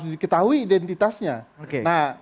mengetahui identitasnya oke nah